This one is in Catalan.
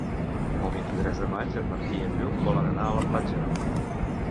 El vint-i-tres de maig en Martí i en Lluc volen anar a la platja.